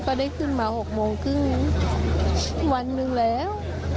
ได้ขึ้นมา๖โมงครึ่งวันหนึ่งแล้ว